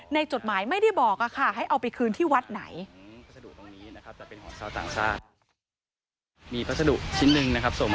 จดหมายไม่ได้บอกค่ะให้เอาไปคืนที่วัดไหน